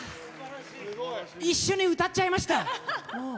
一緒に歌っちゃいました。